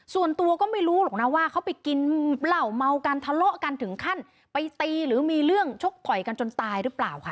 ส่วนตัวก็ไม่รู้หรอกนะว่าเขาไปกินเหล่าเมากันทะเลาะกันถึงขั้นไปตีหรือมีเรื่องชกต่อยกันจนตายหรือเปล่าค่ะ